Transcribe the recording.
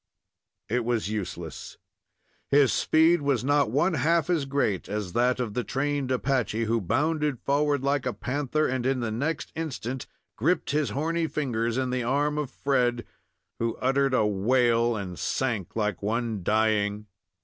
It was useless. His speed was not one half as great as that of the trained Apache, who bounded forward like a panther, and the next instant griped his horny fingers in the arm of Fred, who uttered a wail, and sank like one dying.